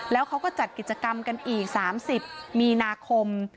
แล้วเขาก็จัดกิจกรรมกันอีก๓๐มีนาคม